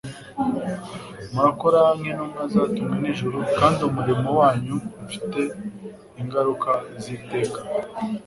Murakora nk'intumwa zatumwe n'ijmu, kandi umurimo wanylmfite ingaruka z' iteka.